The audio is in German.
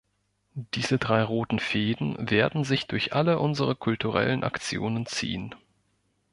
Diese drei roten Fäden werden sich durch alle unsere kulturellen Aktionen ziehen.